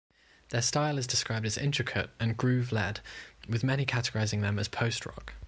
Their style is described as intricate and groove-led with many categorizing them as post-rock.